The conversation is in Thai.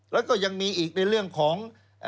แล้วก็ยังมีอีกในเรื่องของ